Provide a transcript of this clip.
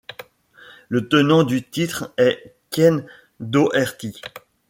Le tenant du titre est Ken Doherty.